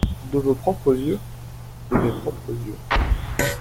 —De vos propres yeux ? —De mes propres yeux.